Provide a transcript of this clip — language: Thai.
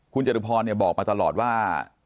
คุณจัตรุพรเนี่ยบอกมาตลอดว่า